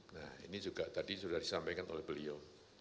nah ini juga tadi sudah disampaikan oleh beliau